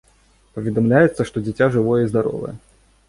Паведамляецца, што дзіця жывое і здаровае.